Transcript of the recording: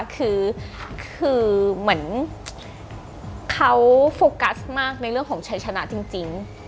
คือเหมือนเขาโฟกัสมากในเรื่องของชัยชนะจริง